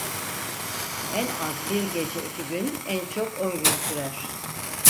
En az bir gece iki gün en çok on gün sürer.